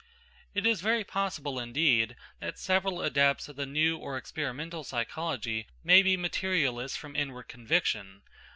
It is very possible, indeed, that several adepts of the new or experimental psychology may be materialists from inward conviction.